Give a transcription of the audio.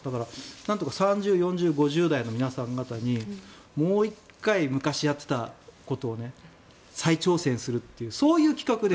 なんとか３０、４０、５０代の皆さん方にもう１回昔やっていたことを再挑戦するというそういう企画で。